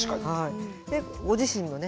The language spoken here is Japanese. でご自身のね